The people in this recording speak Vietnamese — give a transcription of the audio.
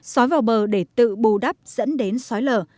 xói vào bờ để tự bù đắp dẫn đến xói lở